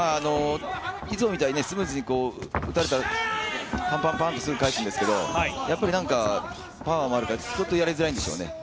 いつもみたいに打たれたらスムーズにパンパンパンと返すんですけれどもやっぱりパワーもあるからちょっとやりづらいんでしょうね。